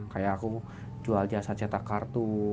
kayak aku jual jasa cetak kartu